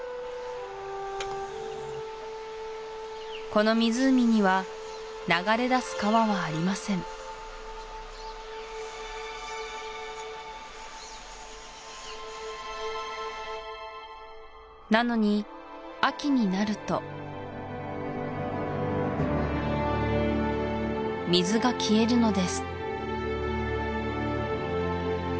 この湖には流れだす川はありませんなのに秋になると水が消えるのです